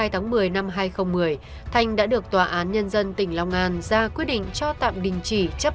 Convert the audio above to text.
hai mươi tháng một mươi năm hai nghìn một mươi thanh đã được tòa án nhân dân tỉnh long an ra quyết định cho tạm đình chỉ chấp